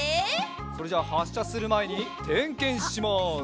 それじゃあはっしゃするまえにてんけんします。